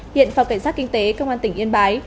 hiện phòng cảnh sát kinh tế công an tỉnh yên bái